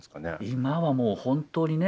今はもう本当にね